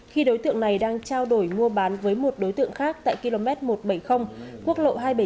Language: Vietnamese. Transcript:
khi đối tượng này đang trao đổi mua bán với một đối tượng khác tại km một trăm bảy mươi quốc lộ hai trăm bảy mươi chín